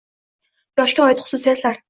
Yoshga oid xususiyatlar.